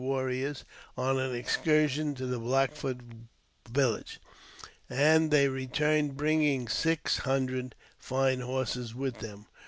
warriors on an excursion to the Black Foot village, and they returned bringing six hundred fine horses with them.